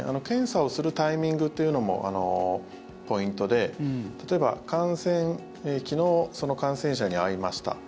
検査をするタイミングというのもポイントで例えば昨日、感染者に会いました。